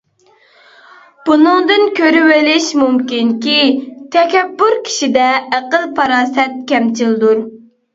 بۇنىڭدىن كۆرۈۋېلىش مۇمكىنكى، تەكەببۇر كىشىدە ئەقىل-پاراسەت كەمچىلدۇر.